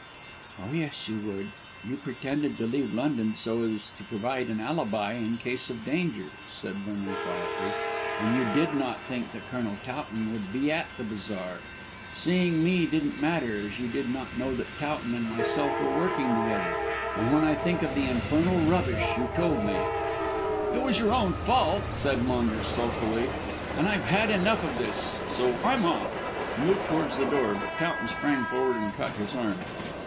"Oh, yes, you would. You pretended to leave London so as to provide an alibi in case of danger," said Vernon quietly, "and you did not think that Colonel Towton would be at the bazaar. Seeing me didn't matter, as you did not know that Towton and myself were working together. And when I think of the infernal rubbish you told me " "It was your own fault," said Maunders sulkily, "and I've had enough of this so, I'm off." He moved towards the door, but Towton sprang forward and caught his arm.